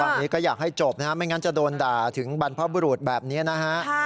ตอนนี้ก็อยากให้จบนะฮะไม่งั้นจะโดนด่าถึงบรรพบุรุษแบบนี้นะฮะ